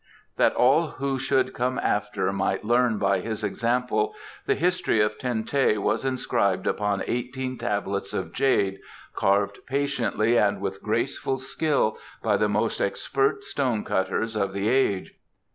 That all who should come after might learn by his example, the history of Ten teh was inscribed upon eighteen tablets of jade, carved patiently and with graceful skill by the most expert stone cutters of the age.